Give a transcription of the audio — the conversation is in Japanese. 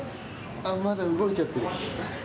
ああ、まだ動いちゃってる。